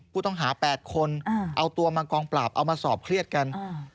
ผู้ต้องหา๘คนเอาตัวมากองปราบเอามาสอบเครียดกัน